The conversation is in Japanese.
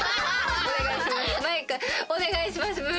おねがいします。